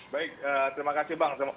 baik terima kasih bang